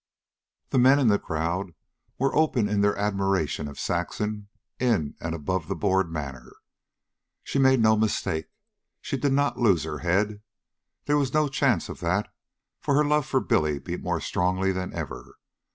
The men in the crowd were open in their admiration of Saxon, in an above board manner. But she made no mistake. She did not lose her head. There was no chance of that, for her love for Billy beat more strongly than ever.